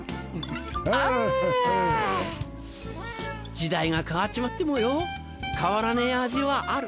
時代が変わっちまってもよ変わらねえ味はある。